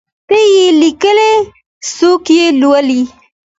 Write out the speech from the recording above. ته یی لیکه څوک یي لولﺉ